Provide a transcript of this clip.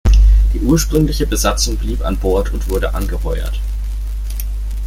Die ursprüngliche Besatzung blieb an Bord und wurde angeheuert.